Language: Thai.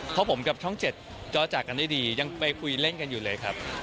เพราะผมกับช่อง๗จอจากกันได้ดียังไปคุยเล่นกันอยู่เลยครับ